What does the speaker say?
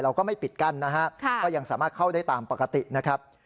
ก็ไม่ปิดกั้นนะฮะก็ยังสามารถเข้าได้ตามปกตินะครับ